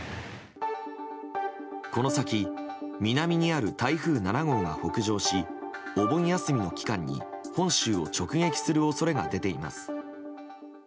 この先、南にある台風７号が北上しお盆休みの期間に本州を直撃する恐れが出ています。